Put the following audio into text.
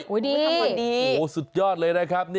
ทำความดีสุดยอดเลยครับ